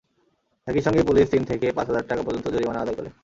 একই সঙ্গে পুলিশ তিন থেকে পাঁচ হাজার টাকা পর্যন্ত জরিমানা আদায় করে।